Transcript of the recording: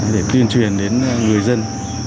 để tuyên truyền đến người dân